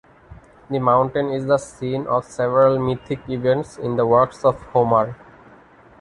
The mountain is the scene of several mythic events in the works of Homer.